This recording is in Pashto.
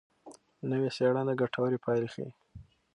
نوې څېړنه ګټورې پایلې ښيي.